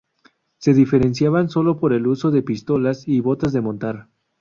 Se diferenciaban sólo por el uso de pistolas y botas de montar.